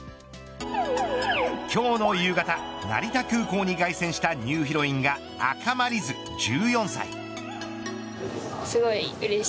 今日の夕方成田空港に凱旋したニューヒロインが赤間凜音、１４歳。